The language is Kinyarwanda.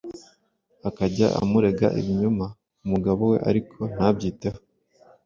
akajya amurega ibinyoma ku mugabo we ariko ntabyiteho.